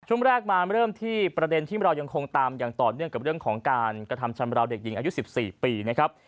ช่วงแรกมาเริ่มที่ประเด็นที่เรายังคงตามอย่างต่อเนื่องกับเรื่องของการกระทำชำราวเด็กหญิงอายุ๑๔ปีนะครับ